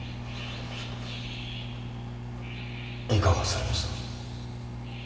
いかがされました。